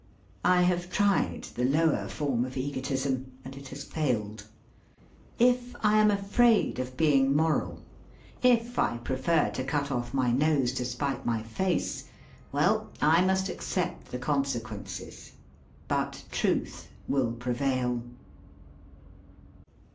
I have tried the lower form of egotism. And it has failed. If I am afraid of being moral, if I prefer to cut off my nose to spite my face, well, I must accept the consequences. But truth will prevail.